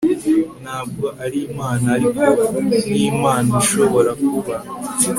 ntabwo ari imana, ariko nkimana ishobora kuba